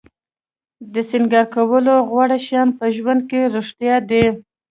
د سینګار کولو غوره شیان په ژوند کې رښتیا دي.